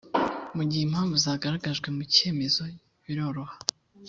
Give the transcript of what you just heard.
mu gihe impamvu zagaragajwe mu cyemezo biroroha